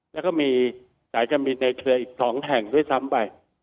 แล้วก็มีสายการบินในเครืออีก๒แห่งด้วยซ้ำไป